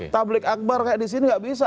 tablik akbar kayak di sini nggak bisa